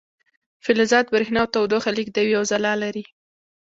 فلزات بریښنا او تودوخه لیږدوي او ځلا لري.